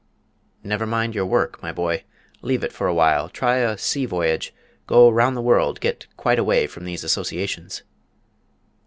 "Never mind your work, my boy: leave it for a while, try a sea voyage, go round the world, get quite away from these associations."